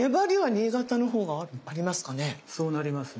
そうなりますね。